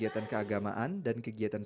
anak anak buat supaya mereka tidak trauma